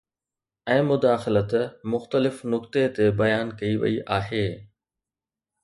۽ مداخلت مختلف نقطي تي بيان ڪئي وئي آهي